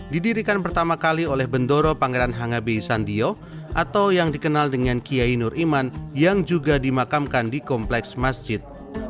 didirikan pertama kali oleh bendoro pangeran hangabe sandio atau yang dikenal dengan kiai nur iman yang juga dimakamkan di kompleks masjid